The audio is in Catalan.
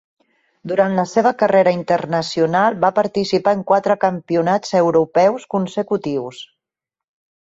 Durant la seva carrera internacional va participar en quatre campionats europeus consecutius.